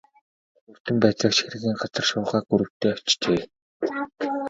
Мөрдөн байцаагч хэргийн газар шуурхай групптэй очжээ.